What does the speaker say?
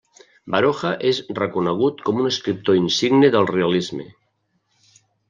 Baroja és reconegut com un escriptor insigne del realisme.